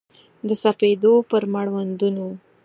د سپېدو پر مړوندونو